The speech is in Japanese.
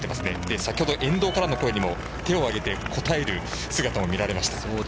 先程、沿道からの声にも手を上げて応える姿も見られました。